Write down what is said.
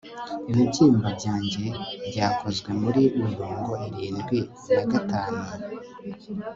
ibibyimba byanjye byakozwe muri mirongo irindwi na gatanu